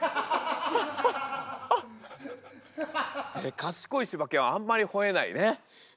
賢いしば犬はあんまりほえないね。